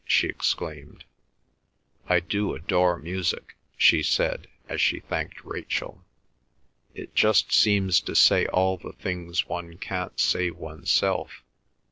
she exclaimed. "I do adore music," she said, as she thanked Rachel. "It just seems to say all the things one can't say oneself."